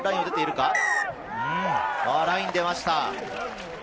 ライン出ました。